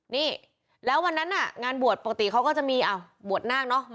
นี่แล้ววันนั้นน่ะงานบวชปกติเขาก็จะมีบวชนาคเนอะ